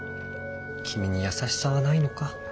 君に優しさはないのか？